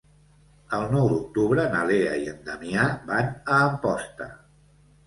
El nou d'octubre na Lea i en Damià van a Amposta.